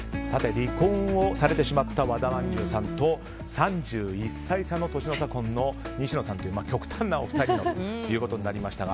離婚をされてしまった和田まんじゅうさんと３１歳差の年の差婚の西野さんという極端なお二人ということになりましたが。